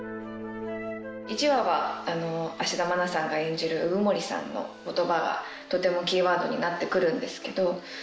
１話は芦田愛菜さんが演じる鵜久森さんの言葉がとてもキーワードになってくるんですけど。